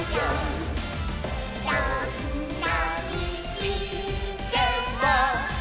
「どんなみちでも」